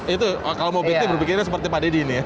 itu kalau mau beti berpikirnya seperti pak deddy ini ya